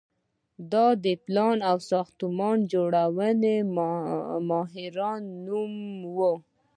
دا د پلان او ساختمان جوړولو ماهرانو نوم و.